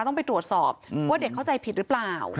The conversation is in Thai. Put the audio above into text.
ต้องไปตรวจสอบว่าเด็กเข้าใจผิดหรือเปล่า